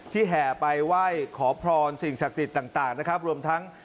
ที่แห่ไปไหว้ขอพรสิ่งศักดิ์สิทธิ์ต่าง